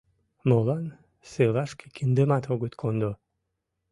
Молан селашке киндымат огыт кондо?